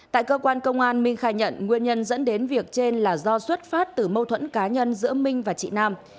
tại cơ quan công an minh khai nhận nguyên nhân dẫn đến việc trên là do xuất phát từ mâu thuẫn cá nhân giữa minh và chị nam